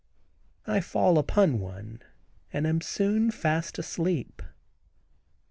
I fall on one and am soon fast asleep.